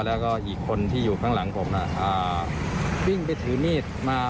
แล้วก็อีกคนที่อยู่ข้างหลังผมวิ่งไปถือมีดมา